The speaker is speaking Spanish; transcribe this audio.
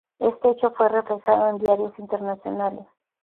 Este hecho fue reflejado en diarios internacionales.